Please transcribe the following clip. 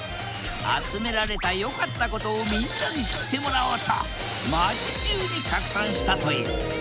集められた良かったことをみんなに知ってもらおうと街じゅうに拡散したという。